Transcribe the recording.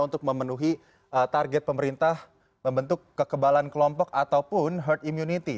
untuk memenuhi target pemerintah membentuk kekebalan kelompok ataupun herd immunity